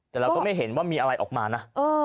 แต่เราก็ไม่เห็นว่ามีอะไรออกมานะ